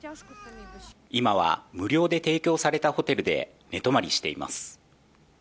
今は無料で提供されたホテルで寝泊まりしています。